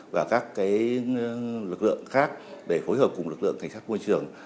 và các lực lượng khác để phối hợp cùng lực lượng cảnh sát môi trường